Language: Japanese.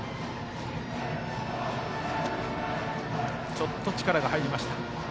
ちょっと力が入りました。